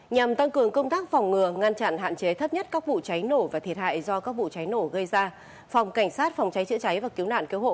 nhằm tăng cường công tác phòng ngừa ngăn chặn hạn chế thấp nhất các vụ cháy nổ và thiệt hại do các vụ cháy nổ gây ra phòng cảnh sát phòng cháy chữa cháy và cứu nạn cứu hộ